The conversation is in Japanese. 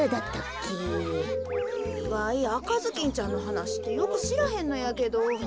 わいあかずきんちゃんのはなしってよくしらへんのやけど。